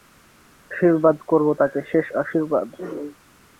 আশীর্বাদ করব তাকে–শেষ আর্শীবাদ।